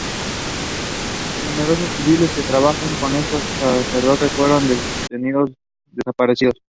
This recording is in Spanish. Numerosos civiles que trabajaban con estos sacerdotes fueron detenidos-desaparecidos.